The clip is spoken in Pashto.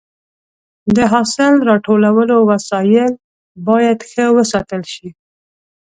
د حاصل راټولولو وسایل باید ښه وساتل شي.